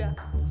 eh oh enggak